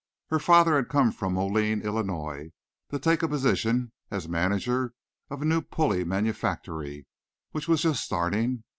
Her father had come from Moline, Illinois, to take a position as manager of a new pulley manufactory which was just starting.